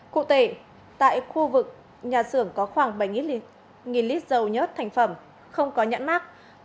cụ thể tại khu vực nhà xưởng có khoảng bảy lít dầu nhất thành phẩm không có nhãn mát